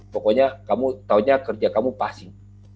pokoknya kamu tahunya kerja kamu passing